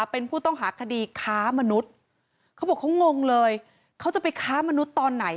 เป็นผู้ต้องหาคดีข้ามนุษย์เขาบอกว่าเขางงเลย